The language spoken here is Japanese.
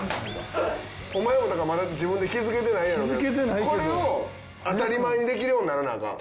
お前はだからまだ自分で気づけてないやろうけどこれを当たり前にできるようにならなアカン。